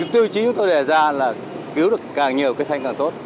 tiêu chí chúng tôi đề ra là cứu được càng nhiều cây xanh càng tốt